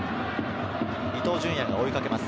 伊東純也が追いかけます。